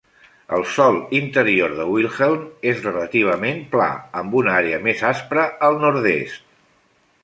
El sòl interior de Wilhelm és relativament pla, amb una àrea més aspra al nord-est.